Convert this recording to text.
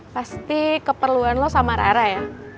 pasti keperluan lo sama rara ya